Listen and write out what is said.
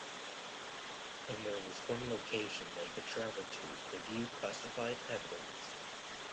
And there was one location they could travel to review classified evidence.